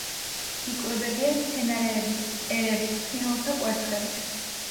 იკვებებიან მცენარეებით, მწერებით, ფრინველთა კვერცხებით.